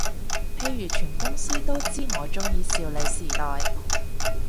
譬如全公司都知我鍾意少女時代